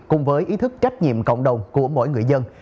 cùng với ý thức trách nhiệm cộng đồng của mỗi người dân